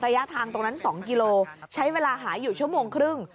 ระยะทางตรงนั้น๒กิโลใช้เวลาหาอยู่ชั่วโมงครึ่ง